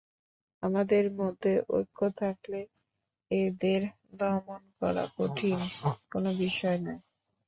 আমাদের মধ্যে ঐক্য থাকলে এদের দমন করা কঠিন কোনো বিষয় নয়।